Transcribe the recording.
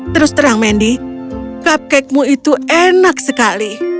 terus terang mendy cupcake mu itu enak sekali